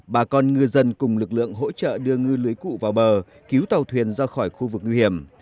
bà con ngư dân cùng lực lượng hỗ trợ đưa ngư lưới cụ vào bờ cứu tàu thuyền ra khỏi khu vực nguy hiểm